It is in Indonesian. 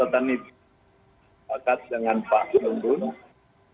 saya bersyukur bahwa saya sudah berhubung dengan pak nelson pun